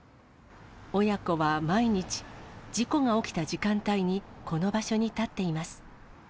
親子は毎日、事故が起きた時間帯に、この場所に立っています。